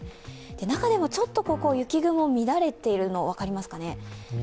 中でも雪雲が乱れているのが分かりますかね。